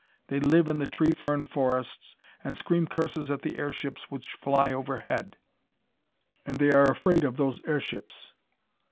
They live in the tree fern forests and scream curses at the airships which fly overhead. And they are afraid of those airships."